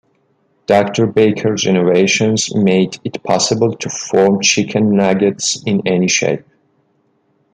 Doctor Baker's innovations made it possible to form chicken nuggets in any shape.